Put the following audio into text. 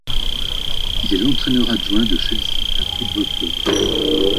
Il est l'entraîneur adjoint de Chelsea Football Club.